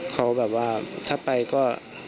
เขาแบบว่าถ้าไปก็